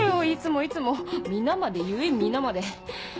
いつもいつも皆まで言え皆まで。